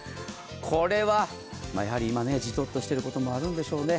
これはやはり今ジトッとしていることもあるんでしょうね。